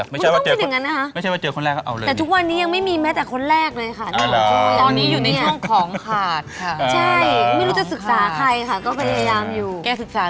แกศึกษาตัวเองก่อนดูยังไม่ค่อยเข้าใจตัวเองเท่าไหร่